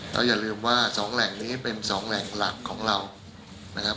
เราอย่าลืมว่า๒แหล่งนี้เป็น๒แหล่งหลักของเรา